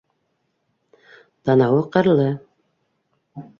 Танауы ҡырлы.